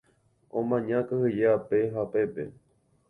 Omaña kyhyje ápe ha pépe.